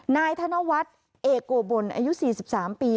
นายธนวัฒน์เอกโกบลอายุ๔๓ปี